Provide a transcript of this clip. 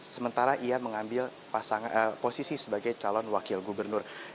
sementara ia mengambil posisi sebagai calon wakil gubernur